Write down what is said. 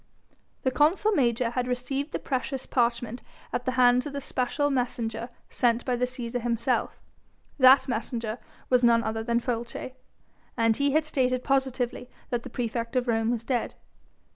The consul major had received the precious parchment at the hands of the special messenger sent by the Cæsar himself: that messenger was none other than Folces, and he had stated positively that the praefect of Rome was dead.